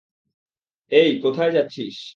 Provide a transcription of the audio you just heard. এই, কোথায় যাচ্ছিস?